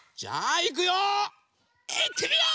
いってみよう！